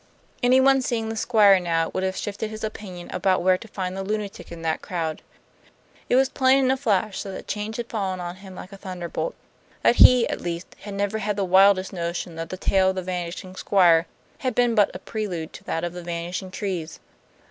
Anyone seeing the Squire now would have shifted his opinion about where to find the lunatic in that crowd. It was plain in a flash that the change had fallen on him like a thunderbolt; that he, at least, had never had the wildest notion that the tale of the Vanishing Squire had been but a prelude to that of the vanishing trees.